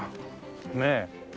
ねえ。